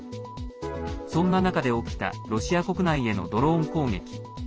そんな中で起きたロシア国内へのドローン攻撃。